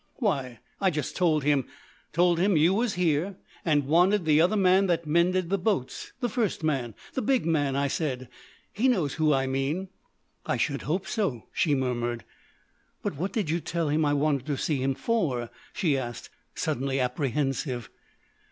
"Why, I just told him. Told him you was here and wanted the other man that mended the boats. The first man. The big man, I said. He knows who I mean." "I should hope so," she murmured. "But what did you tell him I wanted to see him for?" she asked, suddenly apprehensive.